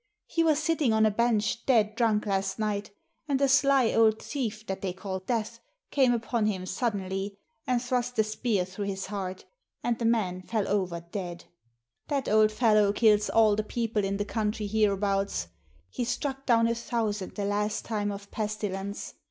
He was sitting on a bench dead drunk last night, and a sly old thief that they call Death came upon him suddenly and thrust a spear through his heart, and the man fell over dead. That old fellow kills all the people in the country hereabouts; he struck down a thousand the last time of pestilence.